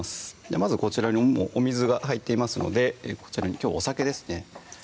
まずこちらにお水が入っていますのでこちらにきょうはお酒ですね